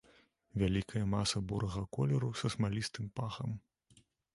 Вязкая маса бурага колеру са смалістым пахам.